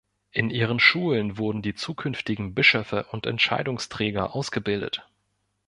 In ihren Schulen wurden die zukünftigen Bischöfe und Entscheidungsträger ausgebildet.